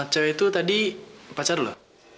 cewek itu tadi pacar lo